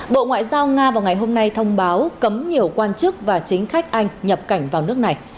bộ ngoại giao nga vào ngày hôm nay thông báo cấm nhiều quan chức và chính khách anh nhập cảnh vào nước này